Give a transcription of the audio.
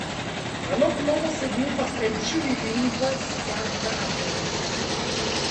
La loknomo signifas en ĉiuj lingvoj: Sankta Antonio.